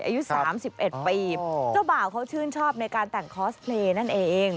อายุ๓๑ปีเจ้าบ่าวเขาชื่นชอบในการแต่งคอสเพลย์นั่นเอง